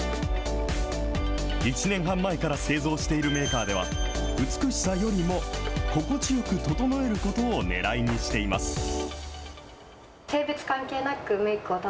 １年半前から製造しているメーカーでは、美しさよりも心地よく整えることをねらいにしています。